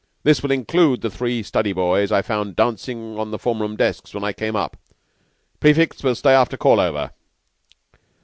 This will include the three study boys I found dancing on the form room desks when I came up. Prefects will stay after call over."